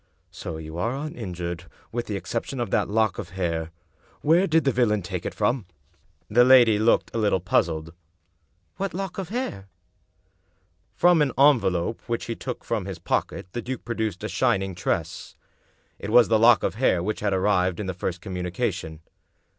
" So you are uninjured, with the exception of that lock of hair. Where did the villain take it from?" 291 English Mystery Stories The lady looked a little puzzled. "What lock of hair?" From an envelope which he took from his pocket the duke produced a shining tress. It was the lock of hair which had arrived in the first communication.